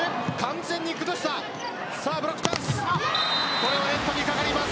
これはネットにかかります。